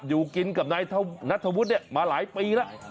อยู่กินกับนายนัทธวุฒิมาหลายปีแล้ว